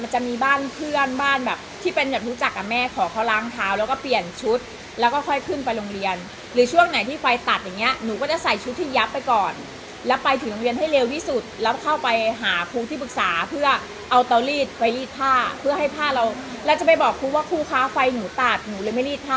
จะมีบ้านเพื่อนบ้านแบบที่เป็นแบบรู้จักกับแม่ขอเขาล้างเท้าแล้วก็เปลี่ยนชุดแล้วก็ค่อยขึ้นไปโรงเรียนหรือช่วงไหนที่ไฟตัดอย่างเงี้หนูก็จะใส่ชุดที่ยับไปก่อนแล้วไปถึงโรงเรียนให้เร็วที่สุดแล้วเข้าไปหาครูที่ปรึกษาเพื่อเอาเตารีดไปรีดผ้าเพื่อให้ผ้าเราแล้วจะไปบอกครูว่าครูคะไฟหนูตัดหนูเลยไม่รีดผ้า